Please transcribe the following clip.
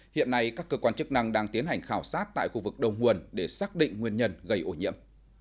hiện nay các cơ quan chức năng đang tiến hành khảo sát tại khu vực đầu nguồn để xác định nguyên nhân gây ô nhiễm